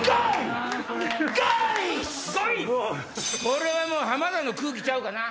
これはもう浜田の空気ちゃうかな。